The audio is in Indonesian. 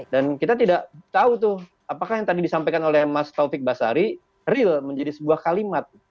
dan kita tidak tahu apakah yang tadi disampaikan oleh mas taufik basari real menjadi sebuah kalimat